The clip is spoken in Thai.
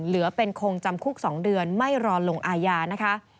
เหลือเป็นคงจำคุก๒เดือนไม่รอลงอาญานะคะ